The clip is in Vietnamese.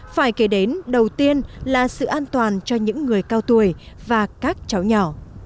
phải kể đến đầu tiên là sự an toàn cho những người cao tuổi và các cháu nhỏ